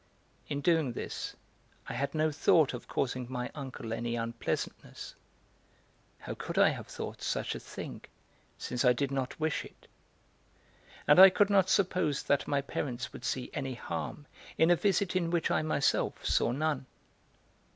In doing this I had no thought of causing my uncle any unpleasantness. How could I have thought such a thing, since I did not wish it? And I could not suppose that my parents would see any harm in a visit in which I myself saw none.